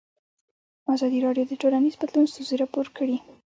ازادي راډیو د ټولنیز بدلون ستونزې راپور کړي.